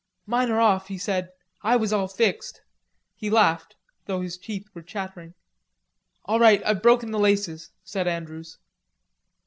"Mine are off," he said. "I was all fixed." He laughed, though his teeth were chattering. "All right. I've broken the laces," said Andrews.